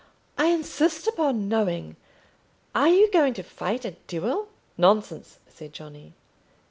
I insist upon knowing. Are you going to fight a duel?" "Nonsense," said Johnny.